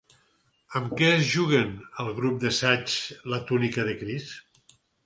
Amb què es juguen el grup de saigs la túnica de Crist?